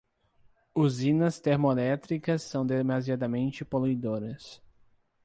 Usinas termoelétricas são demasiadamente poluidoras